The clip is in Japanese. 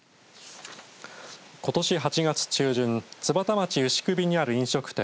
ことし８月中旬津幡町牛首にある飲食店